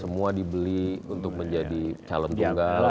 semua dibeli untuk menjadi calon tunggal